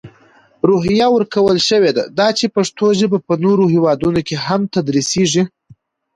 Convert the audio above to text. روحیه ورکول شوې ده، دا چې پښتو ژپه په نورو هیوادونو کې هم تدرېسېږي.